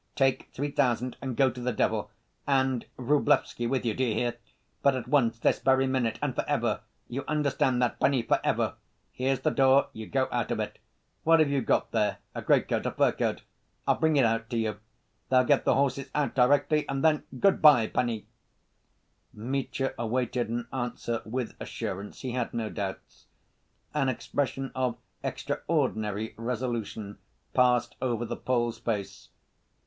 Take three thousand and go to the devil, and Vrublevsky with you—d'you hear? But, at once, this very minute, and for ever. You understand that, panie, for ever. Here's the door, you go out of it. What have you got there, a great‐coat, a fur coat? I'll bring it out to you. They'll get the horses out directly, and then—good‐by, panie!" Mitya awaited an answer with assurance. He had no doubts. An expression of extraordinary resolution passed over the Pole's face.